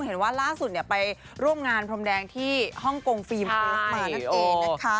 เห็นว่าล่าสุดไปร่วมงานพรมแดงที่ฮ่องกงฟิล์มโอสมานั่นเองนะคะ